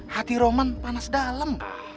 hati roman panas dalem